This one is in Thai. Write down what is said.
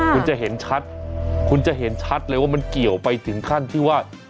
คุณจะเห็นชัดคุณจะเห็นชัดเลยว่ามันเกี่ยวไปถึงขั้นที่ว่า